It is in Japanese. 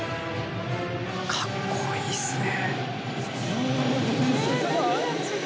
かっこいいっすね。